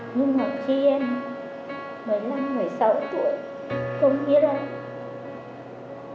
nhưng mà khi em một mươi năm một mươi sáu tuổi không biết đâu